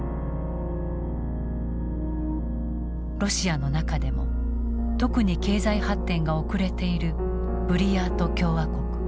ロシアの中でも特に経済発展が遅れているブリヤート共和国。